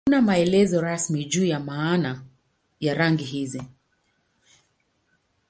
Hakuna maelezo rasmi juu ya maana ya rangi hizi.